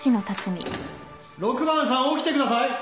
６番さん起きてください。